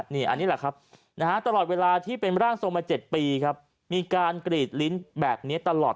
นี่อันนี้แหละครับตลอดเวลาที่เป็นร่างทรงมา๗ปีครับมีการกรีดลิ้นแบบนี้ตลอด